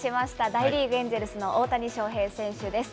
大リーグ・エンジェルスの大谷翔平選手です。